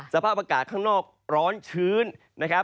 แรกสภาพอากาศข้างนอกร้อนชื้น